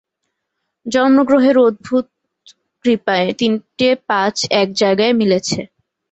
জন্ম-গ্রহের অদ্ভুত কৃপায় তিনটে পাঁচ এক জায়গায় মিলেছে।